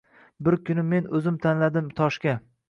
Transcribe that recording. Bir kuni men o’zim aylandim toshga.